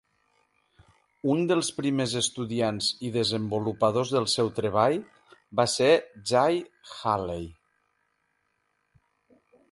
Un dels primers estudiants i desenvolupadors del seu treball va ser Jay Haley.